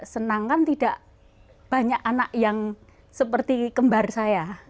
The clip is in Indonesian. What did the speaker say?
senang kan tidak banyak anak yang seperti kembar saya